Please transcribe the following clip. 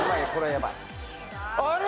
あれ？